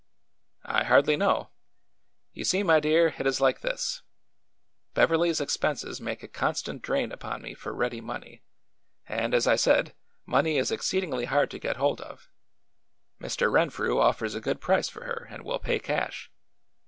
"I hardly know. You see, my dear, it is like this: Beverly's expenses make a constant drain upon me for ready money, and, as I said, money is exceedingly hard to get hold of. Mr. Renfrew offers a good price for her and will pay cash.